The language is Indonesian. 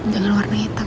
jangan warna hitam